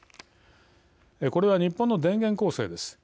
これは日本の電源構成です。